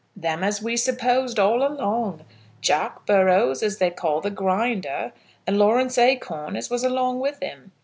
"Them as we supposed all along, Jack Burrows, as they call the Grinder, and Lawrence Acorn as was along with him.